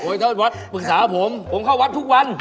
โอ้ยเจ้าวัดบวชปรึกษาผมผมเข้าวัดทุกวัน